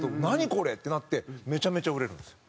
これ！ってなってめちゃめちゃ売れるんですよ。